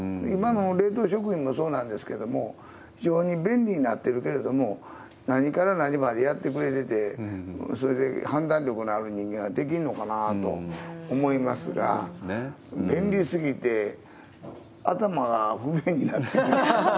今の冷凍食品もそうなんですけど、非常に便利になってるけれども、何から何までやってくれてて、それで判断力のある人間が出来んのかなと思いますが、便利すぎて頭が不便になってきます。